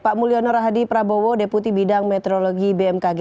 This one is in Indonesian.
pak mulyono rahadi prabowo deputi bidang meteorologi bmkg